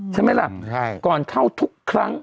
ใช่ไหมล่ะก่อนเข้าทุกครั้ง